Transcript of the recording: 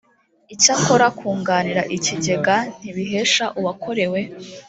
icyakora kunganira ikigega ntibihesha uwakorewe